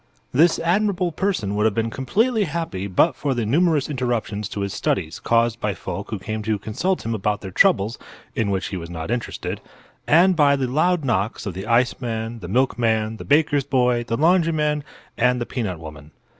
This admirable person would have been completely happy but for the numerous interruptions to his studies caused by folk who came to consult him about their troubles (in which he was not interested), and by the loud knocks of the iceman, the milkman, the baker's boy, the laundryman and the peanut woman.